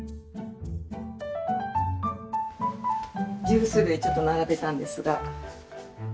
ジュース類ちょっと並べたんですが。